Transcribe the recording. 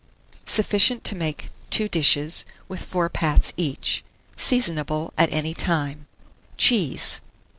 Sufficient to make 2 dishes, with 4 pats each. Seasonable at any time. CHEESE.